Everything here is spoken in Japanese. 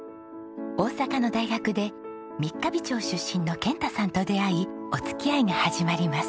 大阪の大学で三ヶ日町出身の健太さんと出会いお付き合いが始まります。